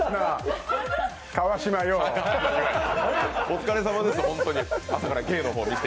お疲れさまでーす。